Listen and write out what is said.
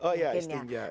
oh iya istinjak